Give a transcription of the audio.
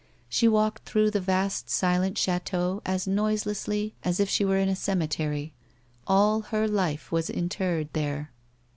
She walked through the vast, silent chateau as noiselessly as if she were in a cemetery ; all her life was interred there.